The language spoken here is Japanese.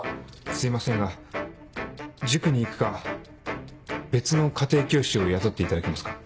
すいませんが塾に行くか別の家庭教師を雇っていただけますか。